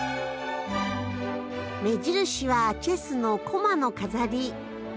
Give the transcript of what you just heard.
目印はチェスの駒の飾り。